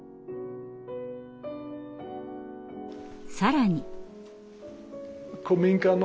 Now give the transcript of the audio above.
更に。